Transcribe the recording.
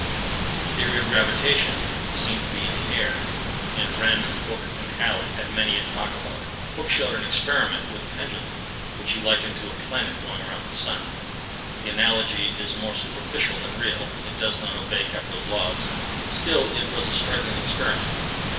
The theory of gravitation seemed to be in the air, and Wren, Hooke, and Halley had many a talk about it. Hooke showed an experiment with a pendulum, which he likened to a planet going round the sun. The analogy is more superficial than real. It does not obey Kepler's laws; still it was a striking experiment.